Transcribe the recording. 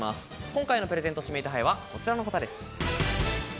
今回のプレゼント指名手配はこちらの方です。